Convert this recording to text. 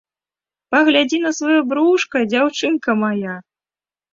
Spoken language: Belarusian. Паглядзі на сваё брушка, дзяўчынка мая!